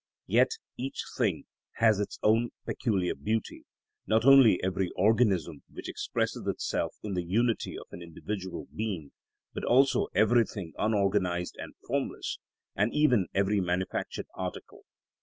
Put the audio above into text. Yet each thing has its own peculiar beauty, not only every organism which expresses itself in the unity of an individual being, but also everything unorganised and formless, and even every manufactured article.